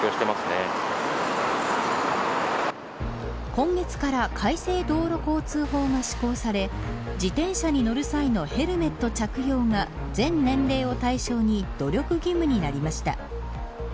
今月から改正道路交通法が施行され自転車に乗る際のヘルメット着用が全年齢を対象に努力義務になりました。